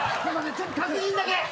ちょっと確認だけ。